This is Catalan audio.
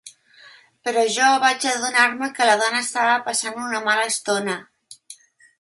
Però jo vaig adonar-me que la dona estava passant una mala estona.